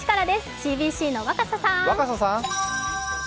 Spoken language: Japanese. ＣＢＣの若狭さん。